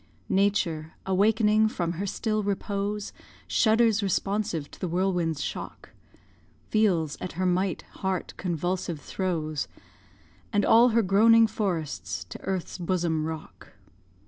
Nature, awakening from her still repose, Shudders responsive to the whirlwind's shock, Feels at her mighty heart convulsive throes, And all her groaning forests to earth's bosom rock.